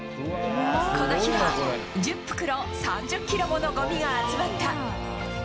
この日は１０袋３０キロものごみが集まった。